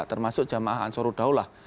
termasuk jamaah ansarul daulah